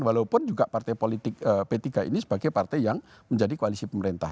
walaupun juga partai politik p tiga ini sebagai partai yang menjadi koalisi pemerintah